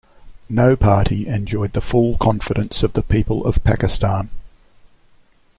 No party enjoyed the full confidence of the people of Pakistan.